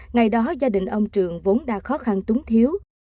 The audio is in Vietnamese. ngày đó gia đình ông trường vốn đã khó khăn túng thiếu